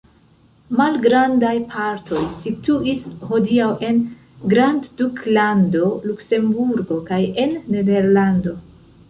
Malgrandaj partoj situis hodiaŭ en grandduklando Luksemburgo kaj en Nederlando.